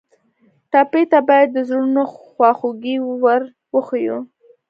ټپي ته باید د زړونو خواخوږي ور وښیو.